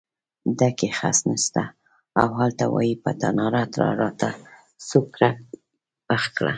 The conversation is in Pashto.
ډکی خس نشته او هلته وایې په تناره راته سوکړک پخ کړه.